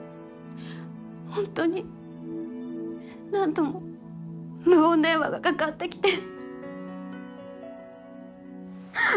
ホントに何度も無言電話がかかってきて。